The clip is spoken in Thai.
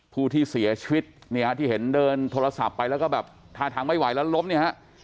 ผู้ที่เสียชีวิตเนี่ยที่เห็นเดินโทรศัพท์ไปแล้วก็แบบท่าทางไม่ไหวแล้วล้มเนี่ยฮะ